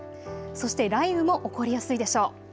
そして雷雨も起こりやすいでしょう。